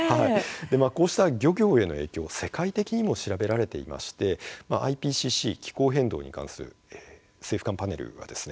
こうした漁業への影響は世界的にも調べられていましてＩＰＣＣ・気候変動に関する政府間パネルはですね